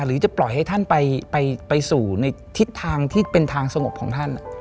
หรือจะปล่อยให้ท่านไปสู่ในทิศทางที่เป็นทางสงบของท่าน